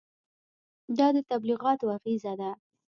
دا د تبلیغاتو اغېزه ده.